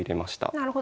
なるほど。